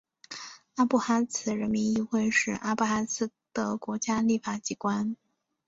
阿布哈兹人民议会是阿布哈兹的国家立法机关。